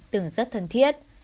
từng rất thân thiết